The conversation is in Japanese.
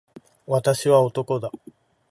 私は男だ。